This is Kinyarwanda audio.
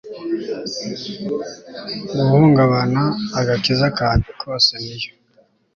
guhungabana. agakiza kanjye kose niyo